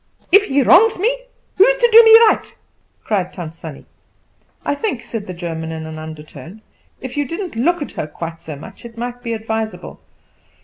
If he wrongs me, who is to do me right?" cried Tant Sannie. "I think," said the German in an undertone, "if you didn't look at her quite so much it might be advisable.